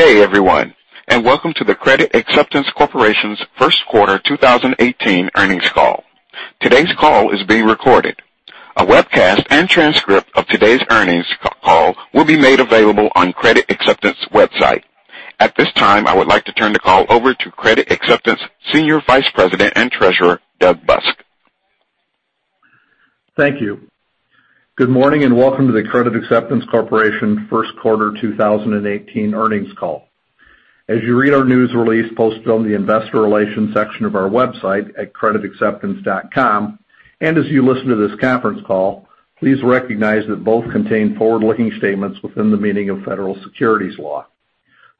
Good day, everyone, welcome to the Credit Acceptance Corporation's first quarter 2018 earnings call. Today's call is being recorded. A webcast and transcript of today's earnings call will be made available on Credit Acceptance website. At this time, I would like to turn the call over to Credit Acceptance Senior Vice President and Treasurer, Doug Busk. Thank you. Good morning, welcome to the Credit Acceptance Corporation first quarter 2018 earnings call. As you read our news release posted on the investor relations section of our website at creditacceptance.com, and as you listen to this conference call, please recognize that both contain forward-looking statements within the meaning of federal securities law.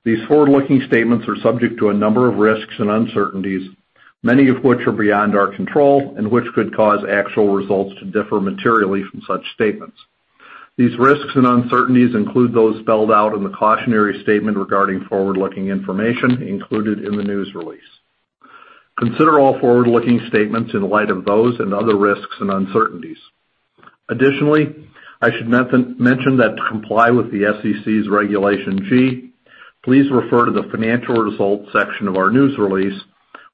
These forward-looking statements are subject to a number of risks and uncertainties, many of which are beyond our control and which could cause actual results to differ materially from such statements. These risks and uncertainties include those spelled out in the cautionary statement regarding forward-looking information included in the news release. Consider all forward-looking statements in light of those and other risks and uncertainties. Additionally, I should mention that to comply with the SEC's Regulation G, please refer to the financial results section of our news release,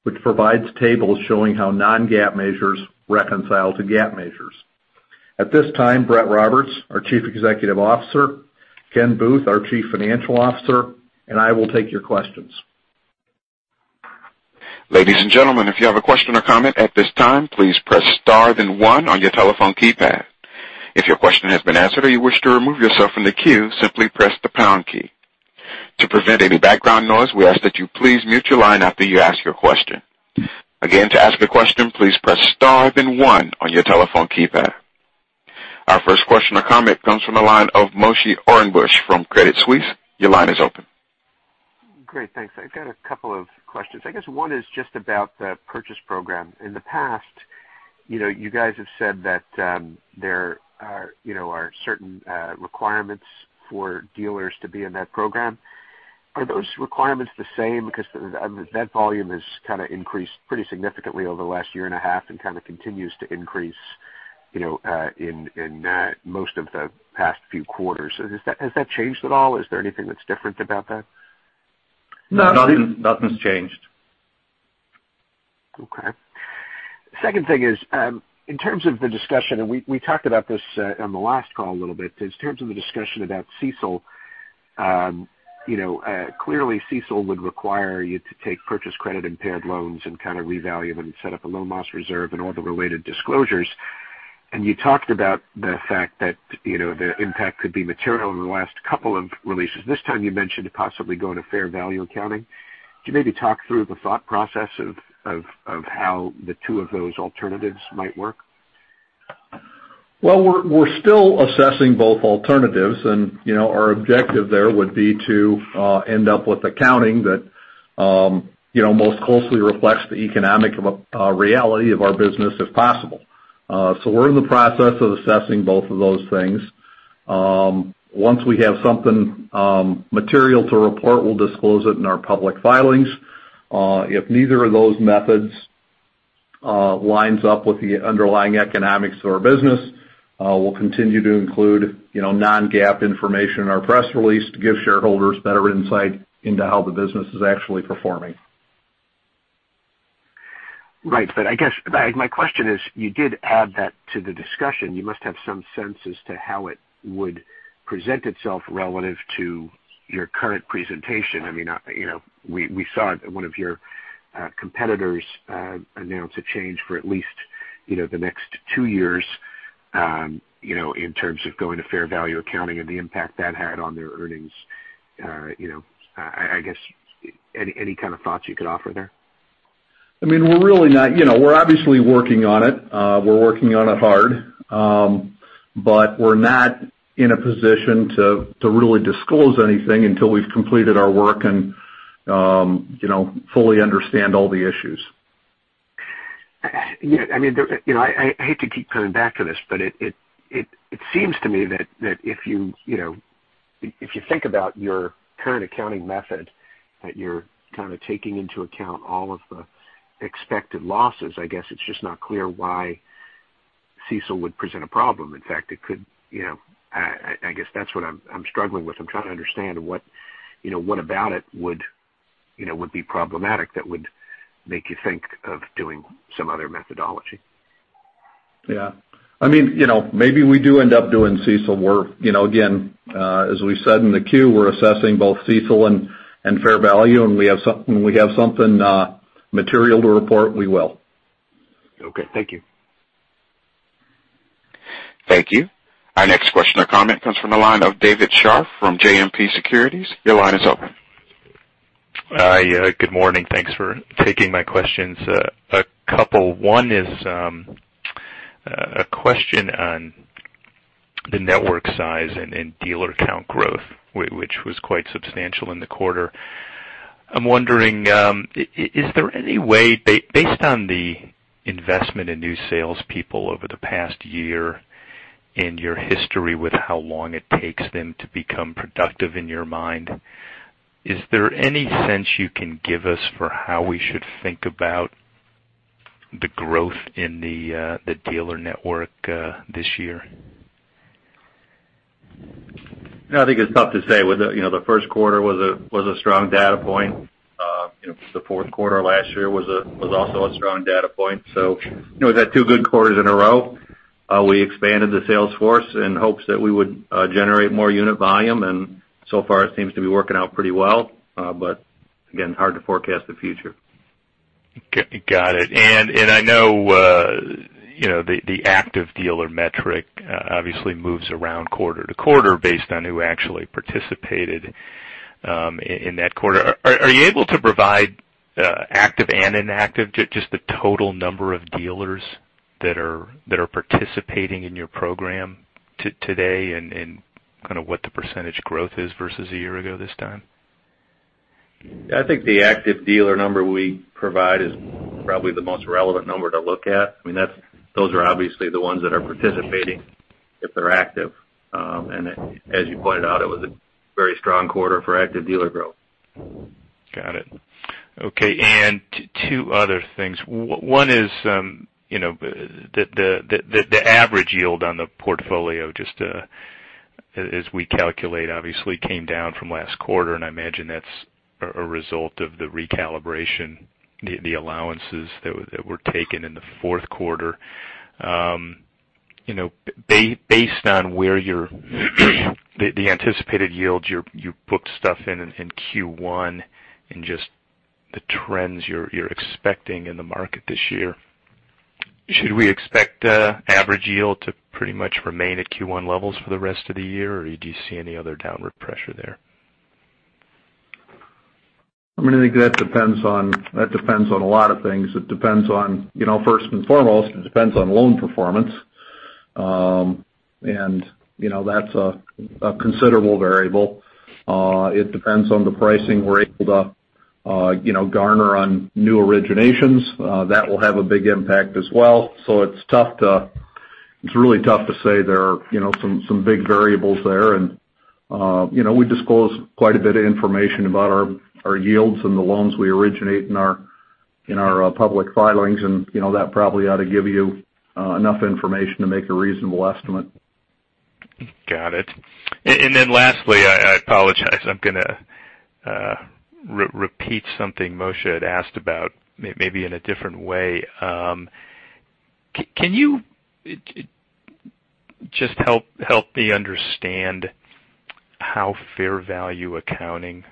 which provides tables showing how non-GAAP measures reconcile to GAAP measures. At this time, Brett Roberts, our Chief Executive Officer, Ken Booth, our Chief Financial Officer, and I will take your questions. Ladies and gentlemen, if you have a question or comment at this time, please press star then one on your telephone keypad. If your question has been answered or you wish to remove yourself from the queue, simply press the pound key. To prevent any background noise, we ask that you please mute your line after you ask your question. Again, to ask a question, please press star then one on your telephone keypad. Our first question or comment comes from the line of Moshe Orenbuch from Credit Suisse. Your line is open. Great. Thanks. I've got a couple of questions. I guess one is just about the Purchase Program. In the past, you guys have said that there are certain requirements for dealers to be in that program. Are those requirements the same? Because that volume has kind of increased pretty significantly over the last year and a half and kind of continues to increase in most of the past few quarters. Has that changed at all? Is there anything that's different about that? Nothing. Nothing's changed. Okay. Second thing is, in terms of the discussion, and we talked about this on the last call a little bit, is in terms of the discussion about CECL. Clearly, CECL would require you to take Purchase Credit Impaired loans, and kind of revalue them and set up a loan loss reserve and all the related disclosures. You talked about the fact that the impact could be material over the last couple of releases. This time you mentioned possibly going to fair value accounting. Could you maybe talk through the thought process of how the two of those alternatives might work? Well, we're still assessing both alternatives, and our objective there would be to end up with accounting that most closely reflects the economic reality of our business, if possible. We're in the process of assessing both of those things. Once we have something material to report, we'll disclose it in our public filings. If neither of those methods lines up with the underlying economics of our business, we'll continue to include non-GAAP information in our press release to give shareholders better insight into how the business is actually performing. I guess my question is, you did add that to the discussion. You must have some sense as to how it would present itself relative to your current presentation. We saw one of your competitors announce a change for at least the next 2 years, in terms of going to fair value accounting and the impact that had on their earnings. I guess any kind of thoughts you could offer there? We're obviously working on it. We're working on it hard. We're not in a position to really disclose anything until we've completed our work and fully understand all the issues. Yeah. I hate to keep coming back to this, it seems to me that if you think about your current accounting method, that you're kind of taking into account all of the expected losses. I guess it's just not clear why CECL would present a problem. In fact, I guess that's what I'm struggling with. I'm trying to understand what about it would be problematic that would make you think of doing some other methodology. Yeah. Maybe we do end up doing CECL. Again, as we said in the Q, we're assessing both CECL and fair value, and when we have something material to report, we will. Okay. Thank you. Thank you. Our next question or comment comes from the line of David Scharf from JMP Securities. Your line is open. Hi. Good morning. Thanks for taking my questions. A couple. One is a question on the network size and dealer count growth, which was quite substantial in the quarter. I'm wondering, is there any way, based on the investment in new salespeople over the past year and your history with how long it takes them to become productive in your mind, is there any sense you can give us for how we should think about the growth in the dealer network this year. I think it's tough to say. The first quarter was a strong data point. The fourth quarter last year was also a strong data point. We've had two good quarters in a row. We expanded the sales force in hopes that we would generate more unit volume, so far it seems to be working out pretty well. Again, hard to forecast the future. Got it. I know the active dealer metric obviously moves around quarter-to-quarter based on who actually participated in that quarter. Are you able to provide active and inactive, just the total number of dealers that are participating in your program today and kind of what the percentage growth is versus a year ago this time? I think the active dealer number we provide is probably the most relevant number to look at. Those are obviously the ones that are participating if they're active. As you pointed out, it was a very strong quarter for active dealer growth. Got it. Two other things. One is the average yield on the portfolio, just as we calculate, obviously came down from last quarter. I imagine that's a result of the recalibration, the allowances that were taken in the fourth quarter. Based on where the anticipated yields, you booked stuff in Q1 and just the trends you're expecting in the market this year. Should we expect average yield to pretty much remain at Q1 levels for the rest of the year, or do you see any other downward pressure there? I think that depends on a lot of things. It depends on, first and foremost, it depends on loan performance. That's a considerable variable. It depends on the pricing we're able to garner on new originations. That will have a big impact as well. It's really tough to say. There are some big variables there. We disclose quite a bit of information about our yields and the loans we originate in our public filings, and that probably ought to give you enough information to make a reasonable estimate. Got it. Lastly, I apologize, I'm going to repeat something Moshe had asked about maybe in a different way. Can you just help me understand how fair value accounting,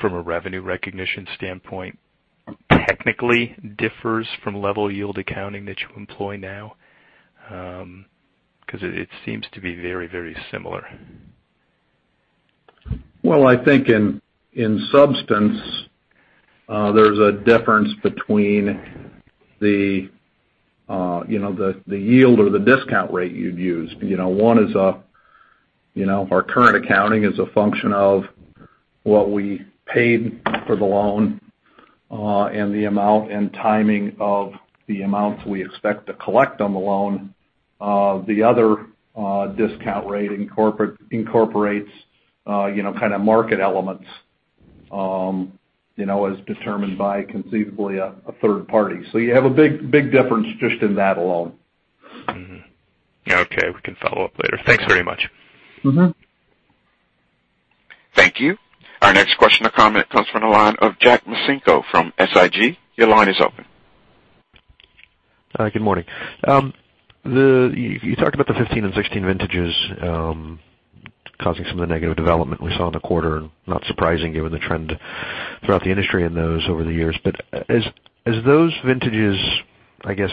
from a revenue recognition standpoint, technically differs from level yield accounting that you employ now? Because it seems to be very similar. Well, I think in substance, there's a difference between the yield or the discount rate you'd use. One is our current accounting is a function of what we paid for the loan, and the amount and timing of the amounts we expect to collect on the loan. The other discount rate incorporates kind of market elements, as determined by conceivably a third party. You have a big difference just in that alone. Okay. We can follow up later. Thanks very much. Thank you. Our next question or comment comes from the line of Jack Micenko from SIG. Your line is open. Good morning. You talked about the 2015 and 2016 vintages causing some of the negative development we saw in the quarter. Not surprising given the trend throughout the industry in those over the years. As those vintages, I guess,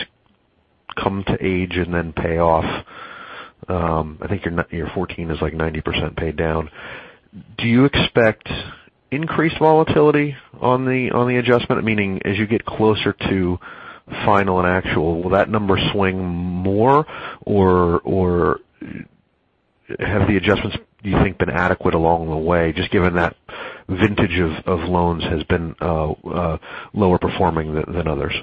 come to age and then pay off, I think your 2014 is like 90% paid down. Do you expect increased volatility on the adjustment? Meaning, as you get closer to final and actual, will that number swing more, or have the adjustments, do you think, been adequate along the way, just given that vintage of loans has been lower performing than others?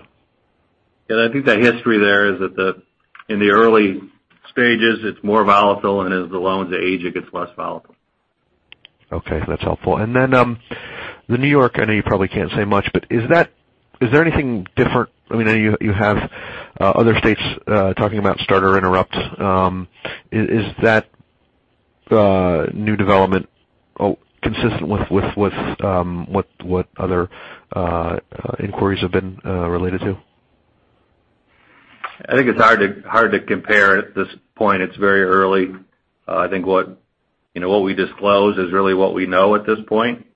Yeah, I think the history there is that in the early stages, it's more volatile. As the loans age, it gets less volatile. Okay. That's helpful. Then, the New York, I know you probably can't say much. Is there anything different? I know you have other states talking about starter interrupt. Is that new development consistent with what other inquiries have been related to? I think it's hard to compare at this point. It's very early. I think what we disclose is really what we know at this point.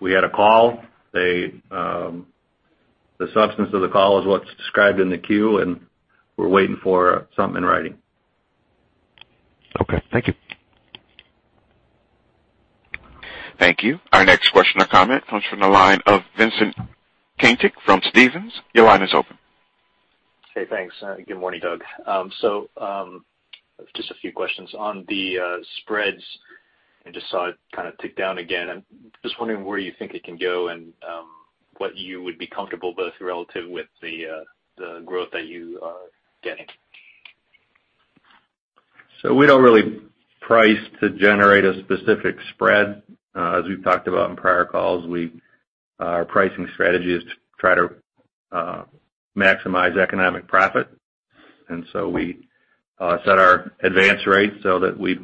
We had a call. The substance of the call is what's described in the Q. We're waiting for something in writing. Okay. Thank you. Thank you. Our next question or comment comes from the line of Vincent Caintic from Stephens. Your line is open. Hey, thanks. Good morning, Doug. Just a few questions. On the spreads, I just saw it kind of tick down again. I'm just wondering where you think it can go and what you would be comfortable both relative with the growth that you are getting. We don't really price to generate a specific spread. As we've talked about in prior calls, our pricing strategy is to try to maximize economic profit. We set our advance rate so that we,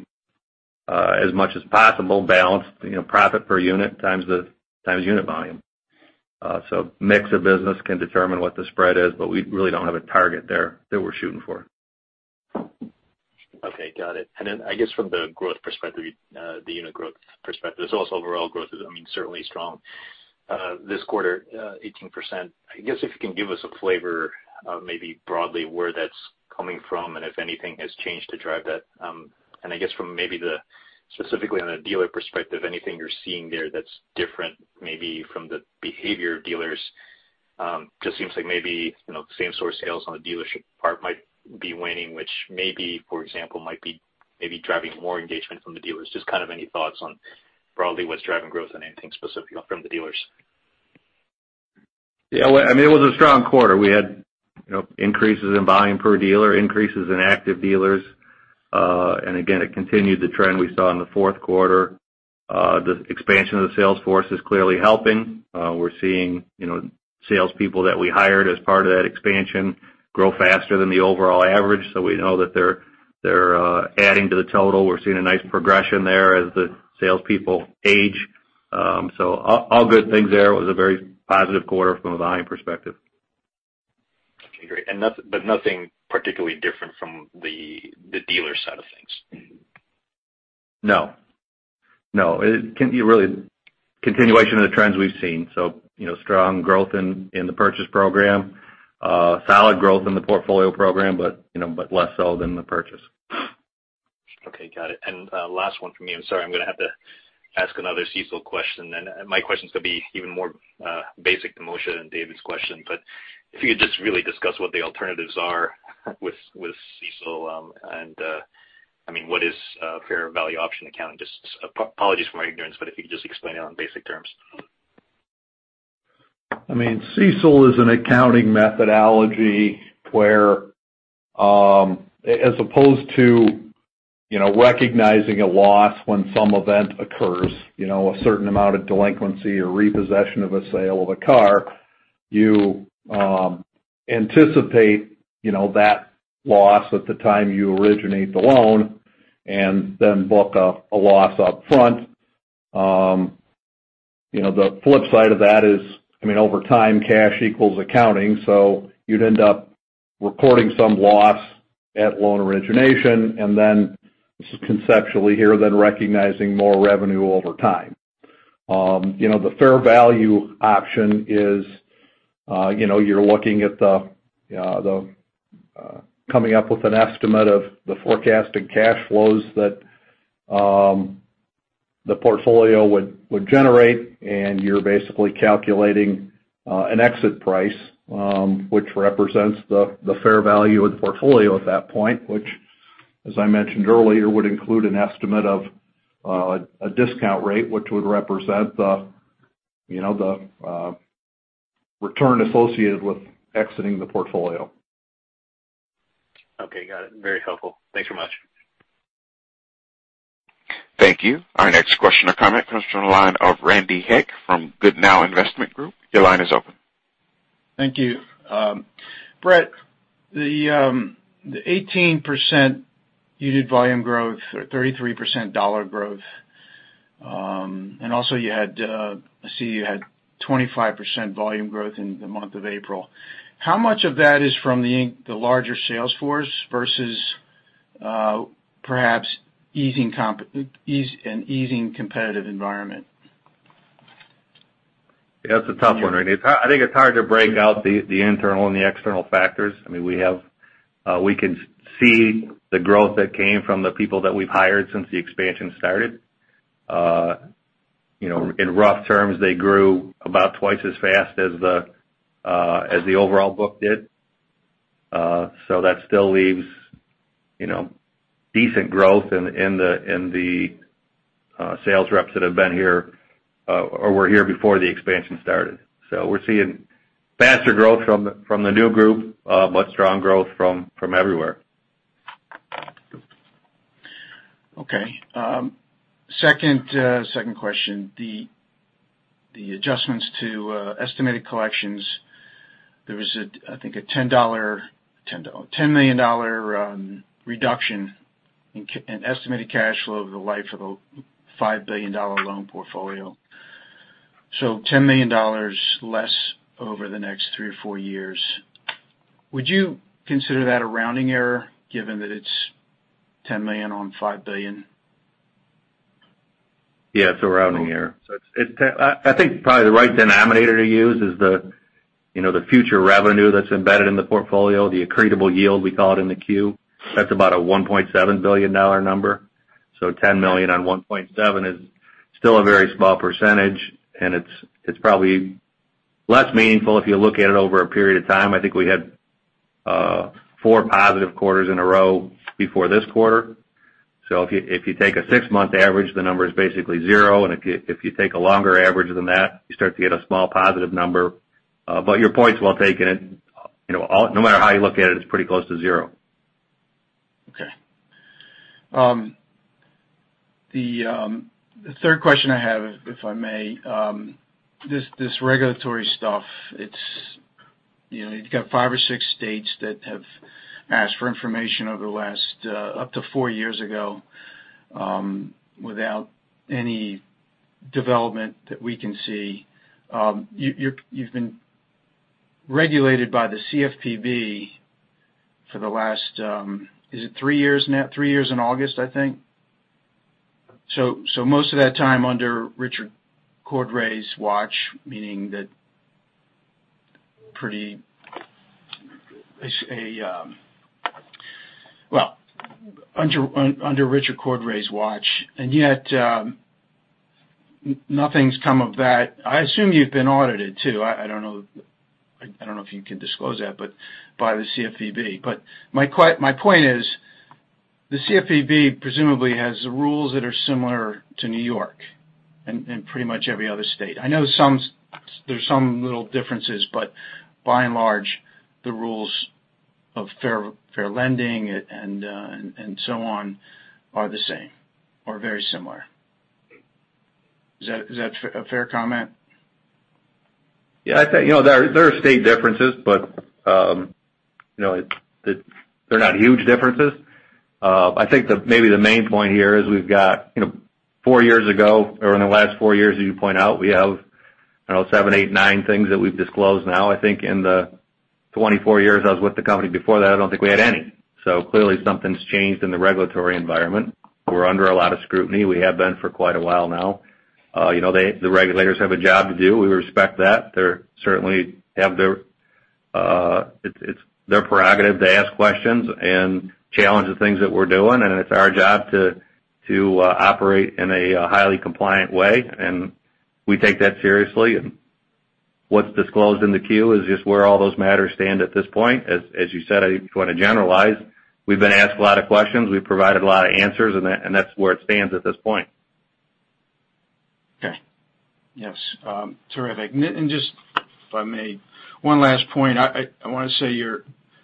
as much as possible, balance profit per unit times unit volume. Mix of business can determine what the spread is, but we really don't have a target there that we're shooting for. Okay, got it. I guess from the unit growth perspective, also overall growth is certainly strong. This quarter, 18%. I guess, if you can give us a flavor, maybe broadly, where that's coming from and if anything has changed to drive that. I guess from maybe specifically on a dealer perspective, anything you're seeing there that's different maybe from the behavior of dealers. Seems like maybe same-store sales on the dealership part might be waning, which maybe, for example, might be maybe driving more engagement from the dealers. Kind of any thoughts on broadly what's driving growth and anything specific from the dealers. Yeah. It was a strong quarter. We had increases in volume per dealer, increases in active dealers. Again, it continued the trend we saw in the fourth quarter. The expansion of the sales force is clearly helping. We're seeing salespeople that we hired as part of that expansion grow faster than the overall average, so we know that they're adding to the total. We're seeing a nice progression there as the salespeople age. All good things there. It was a very positive quarter from a volume perspective. Okay, great. Nothing particularly different from the dealer side of things. No. It can be really continuation of the trends we've seen. Strong growth in the Purchase Program. Solid growth in the Portfolio Program, less so than the purchase. Okay, got it. Last one from me. I'm sorry, I'm going to have to ask another CECL question and my question's going to be even more basic than Moshe and David's question. If you could just really discuss what the alternatives are with CECL. What is fair value option accounting? Apologies for my ignorance, but if you could just explain it on basic terms. CECL is an accounting methodology where as opposed to recognizing a loss when some event occurs, a certain amount of delinquency or repossession of a sale of a car, you anticipate that loss at the time you originate the loan and then book a loss up front. The flip side of that is, over time, cash equals accounting. You'd end up recording some loss at loan origination and then conceptually here, then recognizing more revenue over time. The fair value option is you're looking at coming up with an estimate of the forecasted cash flows that the portfolio would generate and you're basically calculating an exit price, which represents the fair value of the portfolio at that point. As I mentioned earlier, would include an estimate of a discount rate, which would represent the return associated with exiting the portfolio. Okay, got it. Very helpful. Thanks so much. Thank you. Our next question or comment comes from the line of Randy Heck from Goodnow Investment Group. Your line is open. Thank you. Brett, the 18% unit volume growth or 33% dollar growth. Also, I see you had 25% volume growth in the month of April. How much of that is from the larger sales force versus perhaps an easing competitive environment? That's a tough one, Randy. I think it's hard to break out the internal and the external factors. We can see the growth that came from the people that we've hired since the expansion started. In rough terms, they grew about twice as fast as the overall book did. That still leaves decent growth in the sales reps that have been here or were here before the expansion started. We're seeing faster growth from the new group, but strong growth from everywhere. Okay. Second question. The adjustments to estimated collections. There was, I think, a $10 million reduction in estimated cash flow over the life of a $5 billion loan portfolio. $10 million less over the next three or four years. Would you consider that a rounding error given that it's $10 million on $5 billion? Yeah, it's a rounding error. I think probably the right denominator to use is the future revenue that's embedded in the portfolio, the accretable yield we call it in the Q. That's about a $1.7 billion number. $10 million on $1.7 is still a very small percentage, and it's probably less meaningful if you look at it over a period of time. I think we had four positive quarters in a row before this quarter. If you take a six-month average, the number is basically zero. If you take a longer average than that, you start to get a small positive number. Your point's well taken. No matter how you look at it's pretty close to zero. Okay. The third question I have, if I may. This regulatory stuff, you've got five or six states that have asked for information over the last up to four years ago, without any development that we can see. You've been regulated by the CFPB for the last, is it three years in August, I think? Most of that time under Richard Cordray's watch. Under Richard Cordray's watch, yet nothing's come of that. I assume you've been audited, too. I don't know if you can disclose that, by the CFPB. My point is, the CFPB presumably has rules that are similar to New York and pretty much every other state. I know there's some little differences, but by and large, the rules of fair lending and so on are the same or very similar. Is that a fair comment? Yeah. There are state differences, but they're not huge differences. I think that maybe the main point here is we've got four years ago or in the last four years, as you point out, we have seven, eight, nine things that we've disclosed now, I think in the 24 years I was with the company before that, I don't think we had any. Clearly something's changed in the regulatory environment. We're under a lot of scrutiny. We have been for quite a while now. The regulators have a job to do. We respect that. It's their prerogative to ask questions and challenge the things that we're doing, and it's our job to operate in a highly compliant way. We take that seriously. What's disclosed in the Q is just where all those matters stand at this point. As you said, if you want to generalize, we've been asked a lot of questions. We've provided a lot of answers, that's where it stands at this point. Okay. Yes. Terrific. Just if I may, one last point. I want to say,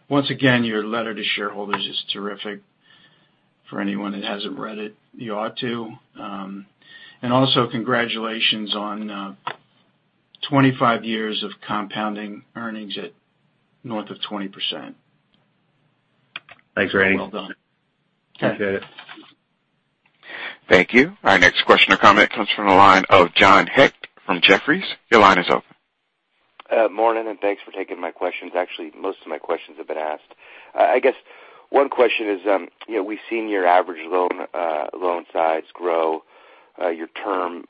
once again, your letter to shareholders is terrific. For anyone that hasn't read it, you ought to. Also congratulations on 25 years of compounding earnings at north of 20%. Thanks, Randy. Well done. Appreciate it. Thank you. Our next question or comment comes from the line of John Hecht from Jefferies. Your line is open. Morning. Thanks for taking my questions. Actually, most of my questions have been asked. I guess one question is, we've seen your average loan size grow, your term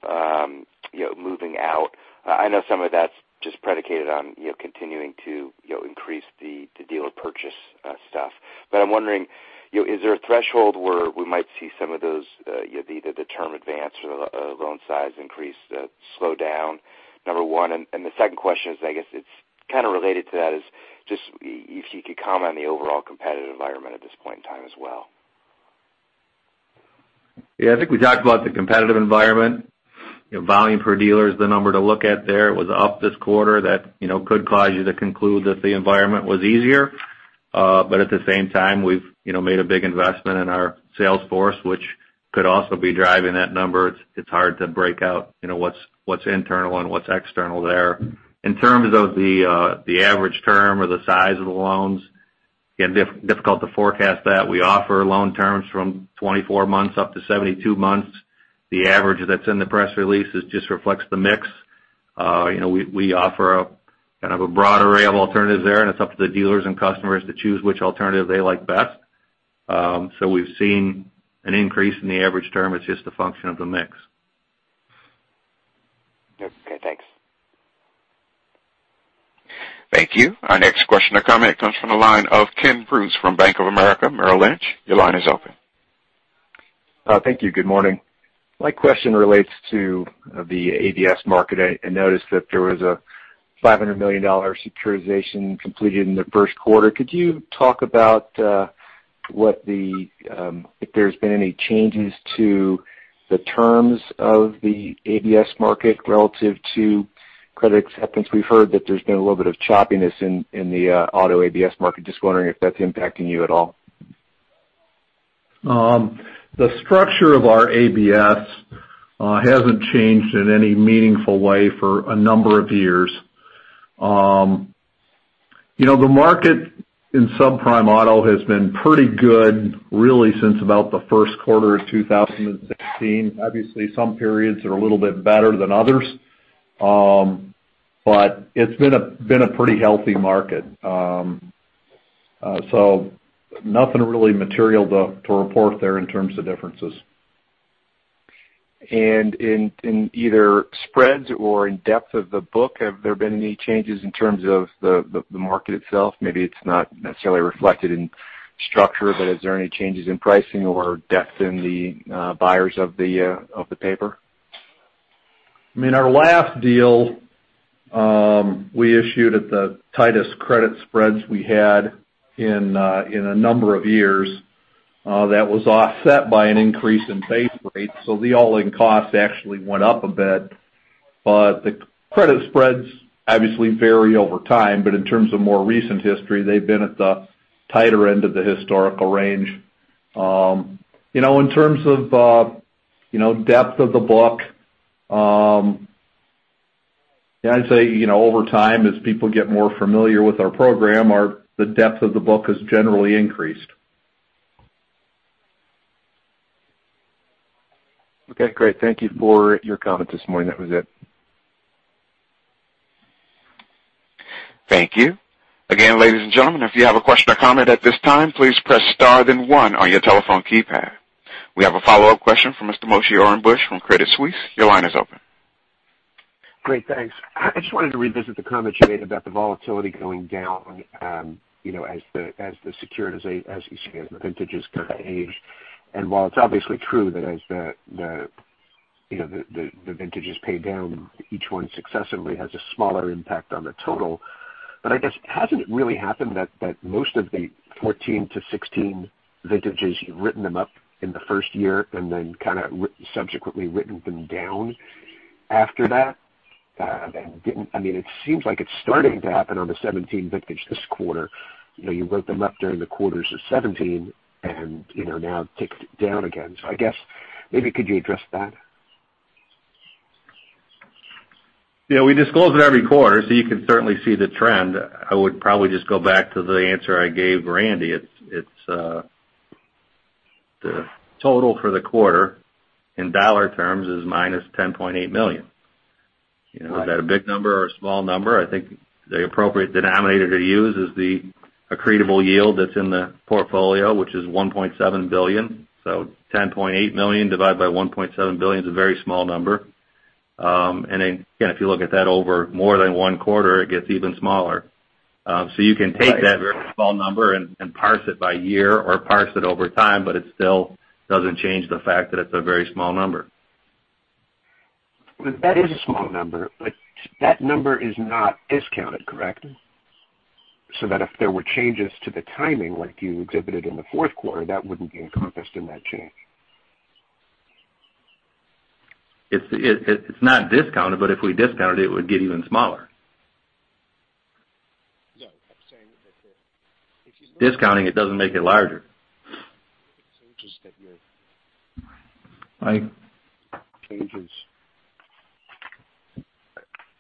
moving out. I know some of that's just predicated on continuing to increase the dealer purchase stuff. I'm wondering, is there a threshold where we might see some of those, either the term advance or the loan size increase slow down? Number one. The second question is, I guess it's kind of related to that, is just if you could comment on the overall competitive environment at this point in time as well. Yeah. I think we talked about the competitive environment. Volume per dealer is the number to look at there. It was up this quarter. That could cause you to conclude that the environment was easier. At the same time, we've made a big investment in our sales force, which could also be driving that number. It's hard to break out what's internal and what's external there. In terms of the average term or the size of the loans, difficult to forecast that. We offer loan terms from 24 months up to 72 months. The average that's in the press release just reflects the mix. We offer kind of a broad array of alternatives there, and it's up to the dealers and customers to choose which alternative they like best. We've seen an increase in the average term. It's just a function of the mix. Okay, thanks. Thank you. Our next question or comment comes from the line of Kenneth Bruce from Bank of America Merrill Lynch. Your line is open. Thank you. Good morning. My question relates to the ABS market. I noticed that there was a $500 million securitization completed in the first quarter. Could you talk about if there's been any changes to the terms of the ABS market relative to Credit Acceptance? We've heard that there's been a little bit of choppiness in the auto ABS market. Just wondering if that's impacting you at all. The structure of our ABS hasn't changed in any meaningful way for a number of years. The market in subprime auto has been pretty good, really since about the first quarter of 2016. Obviously, some periods are a little bit better than others. It's been a pretty healthy market. Nothing really material to report there in terms of differences. In either spreads or in depth of the book, have there been any changes in terms of the market itself? Maybe it's not necessarily reflected in structure, but is there any changes in pricing or depth in the buyers of the paper? In our last deal, we issued at the tightest credit spreads we had in a number of years. That was offset by an increase in base rate. The all-in cost actually went up a bit. The credit spreads obviously vary over time, but in terms of more recent history, they've been at the tighter end of the historical range. In terms of depth of the book, I'd say, over time, as people get more familiar with our program, the depth of the book has generally increased. Okay, great. Thank you for your comment this morning. That was it. Thank you. Again, ladies and gentlemen, if you have a question or comment at this time, please press star then one on your telephone keypad. We have a follow-up question from Mr. Moshe Orenbuch from Credit Suisse. Your line is open. Great. Thanks. I just wanted to revisit the comment you made about the volatility going down as the securities, as you say, as the vintages age. While it's obviously true that as the vintages pay down, each one successively has a smaller impact on the total. I guess, hasn't it really happened that most of the 2014-2016 vintages, you've written them up in the first year and then kind of subsequently written them down after that? It seems like it's starting to happen on the 2017 vintage this quarter. You wrote them up during the quarters of 2017, and now ticked down again. I guess, maybe could you address that? Yeah, we disclose it every quarter. You can certainly see the trend. I would probably just go back to the answer I gave Randy. The total for the quarter in dollar terms is minus $10.8 million. Is that a big number or a small number? I think the appropriate denominator to use is the accretable yield that's in the Portfolio, which is $1.7 billion. $10.8 million divided by $1.7 billion is a very small number. Again, if you look at that over more than one quarter, it gets even smaller. You can take that very small number and parse it by year or parse it over time. It still doesn't change the fact that it's a very small number. That is a small number. That number is not discounted, correct? If there were changes to the timing like you exhibited in the fourth quarter, that wouldn't be encompassed in that change. It's not discounted. If we discounted it would get even smaller. No, I'm saying that the- Discounting it doesn't make it larger.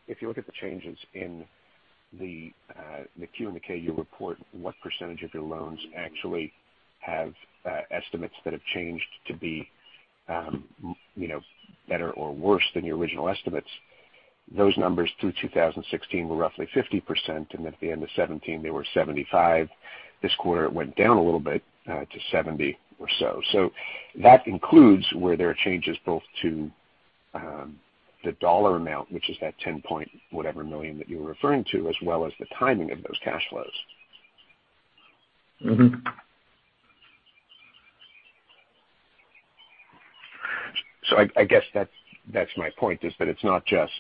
If you look at the changes in the Q and the K you report what percentage of your loans actually have estimates that have changed to be better or worse than your original estimates. Those numbers through 2016 were roughly 50%, and at the end of 2017, they were 75. This quarter, it went down a little bit to 70 or so. That includes where there are changes both to the dollar amount, which is that $10-point whatever million that you were referring to, as well as the timing of those cash flows. I guess that's my point is that it's not just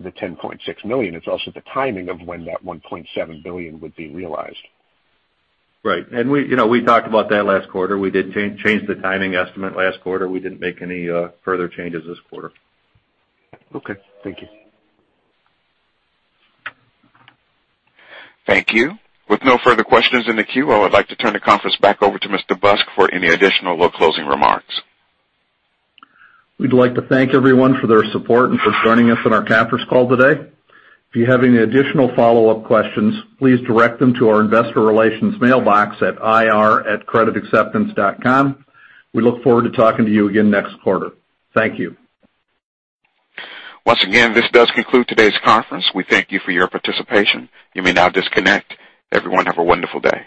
the $10.6 million, it's also the timing of when that $1.7 billion would be realized. Right. We talked about that last quarter. We did change the timing estimate last quarter. We didn't make any further changes this quarter. Okay. Thank you. Thank you. With no further questions in the queue, I would like to turn the conference back over to Mr. Busk for any additional or closing remarks. We'd like to thank everyone for their support and for joining us on our conference call today. If you have any additional follow-up questions, please direct them to our investor relations mailbox at ir@creditacceptance.com. We look forward to talking to you again next quarter. Thank you. Once again, this does conclude today's conference. We thank you for your participation. You may now disconnect. Everyone, have a wonderful day.